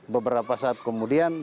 beberapa saat kemudian